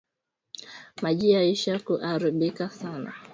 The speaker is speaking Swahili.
Ma njiya isha ku arabika sana